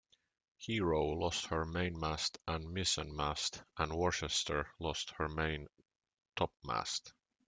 "Hero" lost her mainmast and mizzenmast, and "Worcester" lost her maintopmast.